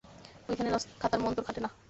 ঐখানে খাতার মন্তর খাটে না।